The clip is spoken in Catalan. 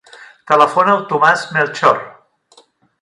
Telefona al Tomàs Melchor.